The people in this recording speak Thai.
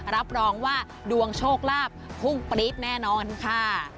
รับรองว่าดวงโชคลาภพุ่งปรี๊ดแน่นอนค่ะ